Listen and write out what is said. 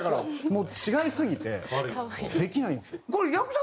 もう違いすぎてできないんですよ。